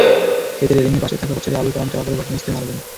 এতে রেলিংয়ের পাশে থাকা পথচারী আবুল কালাম চাপা পড়ে ঘটনাস্থলেই মারা যান।